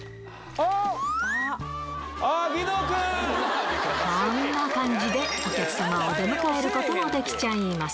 あっ、こんな感じで、お客様を出迎えることもできちゃいます。